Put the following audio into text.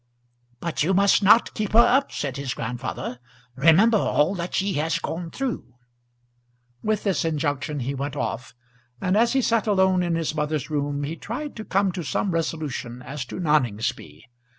"But you must not keep her up," said his grandfather. "Remember all that she has gone through." With this injunction he went off, and as he sat alone in his mother's room he tried to come to some resolution as to Noningsby.